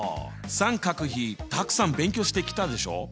三角比たくさん勉強してきたでしょ。